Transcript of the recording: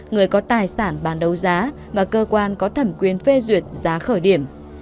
người có tài sản bán đấu giá và cơ quan có thẩm quyền phê duyệt giá khởi điểm